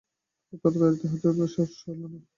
তবু তাড়াতাড়ি করিতে তাঁহার সাহস হইল না।